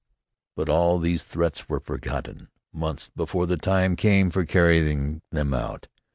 But all these threats were forgotten months before the time came for carrying them out.